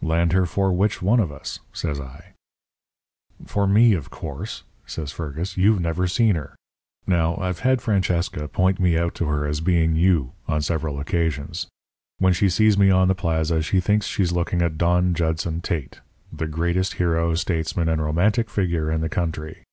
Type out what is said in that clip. "'Land her for which one of us?' says I. "'For me, of course,' says Fergus. 'You've never seen her. Now, I've had Francesca point me out to her as being you on several occasions. When she sees me on the plaza, she thinks she's looking at Don Judson Tate, the greatest hero, statesman, and romantic figure in the country.